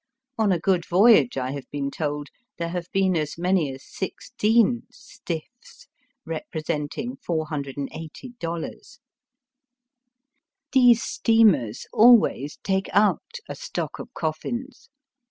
On a good voyage, I have been told, there have been as many as sixteen stiffs," representing 480 dollars. These steamers always take out a stock of coffins.